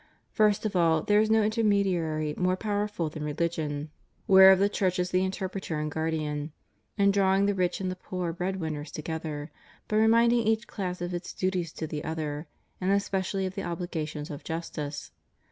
First of all, there is no intermediary more powerful than Religion (whereof the Church is the interpreter and guard ian) in drawing the rich, and the poor bread winners, together, by reminding each class of its duties to the other, and especially of the obligations of justice.